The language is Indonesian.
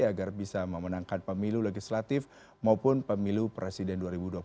agar bisa memenangkan pemilu legislatif maupun pemilu presiden dua ribu dua puluh empat